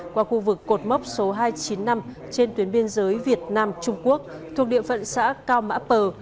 qua khu vực cột mốc số hai trăm chín mươi năm trên tuyến biên giới việt nam trung quốc thuộc địa phận xã cao mã pờ